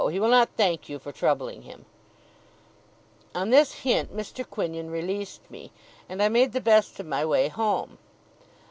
He will not thank you for troubling him.' On this hint, Mr. Quinion released me, and I made the best of my way home.